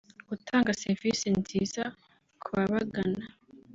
gutanga serivisi nziza ku babagana